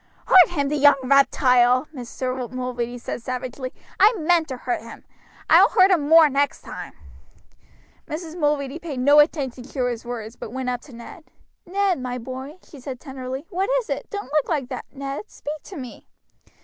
"Hurt him, the young reptile!" Mr. Mulready said savagely. "I meant to hurt him. I will hurt him more next time." Mrs. Mulready paid no attention to his words, but went up to Ned. "Ned, my boy," she said tenderly, "what is it? Don't look like that, Ned; speak to me."